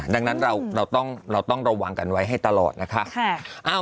ดังนั้นเราต้องระวังกันไว้ให้ตลอดนะคะ